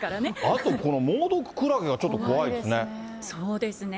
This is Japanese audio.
あと猛毒クラゲば、ちょっと怖いですね。